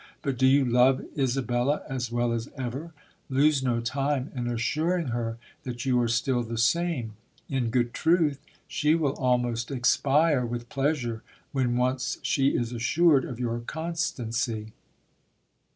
But do you love Isabella as well as ever ? Lose no time in assuring her that you are still the same. In good truth, she will almost expire with pleasure when once she is assured of your constancy."